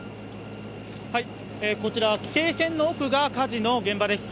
こちら、規制線の奥が火事の現場です。